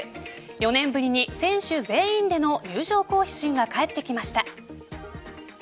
４年ぶりに選手全員での入場行進が帰ってきました。